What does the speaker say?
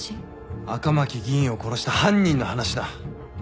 赤巻議員を殺した犯人の話だ。